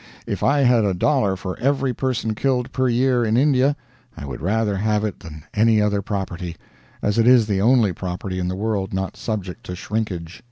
If I had a dollar for every person killed per year in India, I would rather have it than any other property, as it is the only property in the world not subject to shrinkage.